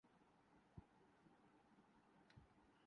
آپ کس کے ساتھ آئے ہو؟